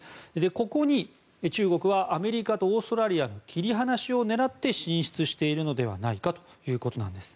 ここに中国はアメリカとオーストラリアの切り離しを狙って進出しているのではないかということなんです。